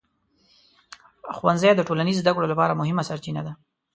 ښوونځي د ټولنیز زده کړو لپاره مهمه سرچینه ده.